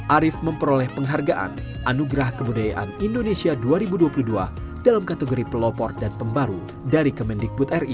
arief memperoleh penghargaan anugerah kebudayaan indonesia dua ribu dua puluh dua dalam kategori pelopor dan pembaru dari kemendikbud ri